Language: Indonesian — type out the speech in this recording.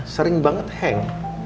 sering banget hang